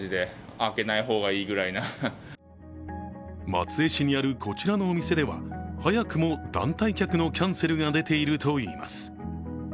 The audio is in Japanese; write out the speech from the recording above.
松江市にあるこちらのお店では早くも団体客のキャンセルが出ているといいます。